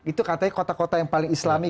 itu katanya kota kota yang paling islami